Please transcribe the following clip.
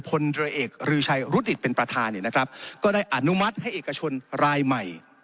พลเรือเอกรือชัยรุดิตเป็นประธานเนี่ยนะครับก็ได้อนุมัติให้เอกชนรายใหม่